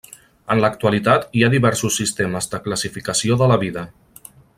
En l'actualitat hi ha diversos sistemes de classificació de la vida.